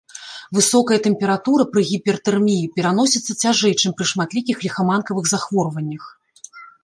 Высокая тэмпература пры гіпертэрміі пераносіцца цяжэй, чым пры шматлікіх ліхаманкавых захворваннях.